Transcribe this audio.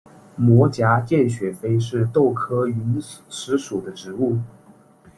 膜荚见血飞是豆科云实属的植物。